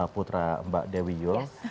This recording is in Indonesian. putra mbak dewi yul